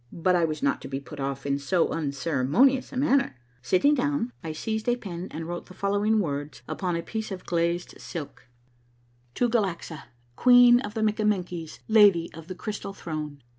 But I was not to be put off in so unceremonious a manner. Sitting down, I seized a pen and wrote the following words upon a j)iece of glazed silk :—" To Galaxa, Queen of the Mikkamenhies^ Lady of the Cr'ystal Throne.